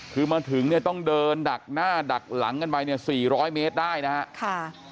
คือมาถึงเนี่ยต้องเดินดักหน้าดักหลังกันไปเนี่ย๔๐๐เมตรได้นะครับ